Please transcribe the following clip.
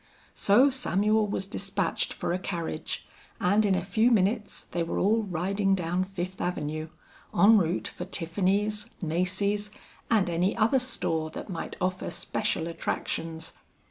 So Samuel was despatched for a carriage, and in a few minutes they were all riding down Fifth Avenue, en route for Tiffany's, Macy's, and any other store that might offer special attractions.